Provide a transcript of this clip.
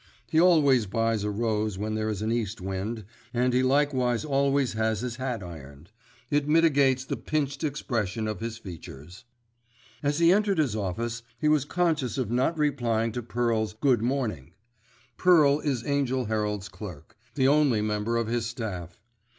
He always buys a rose when there is an east wind, and he likewise always has his hat ironed; it mitigates the pinched expression of his features. As he entered his office, he was conscious of not replying to Pearl's "Good morning." Pearl is Angell Herald's clerk, the only member of his staff.